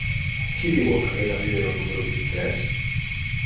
Qui viu al carrer de Rivero número vint-i-tres?